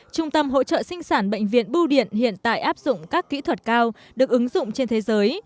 trung tâm hỗ trợ sinh sản bệnh viện bưu điện hiện tại áp dụng các kỹ thuật cao được ứng dụng trên thế giới